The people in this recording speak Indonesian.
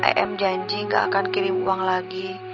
em janji gak akan kirim uang lagi